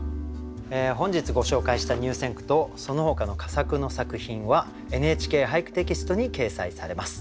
本日ご紹介した入選句とそのほかの佳作の作品は「ＮＨＫ俳句」テキストに掲載されます。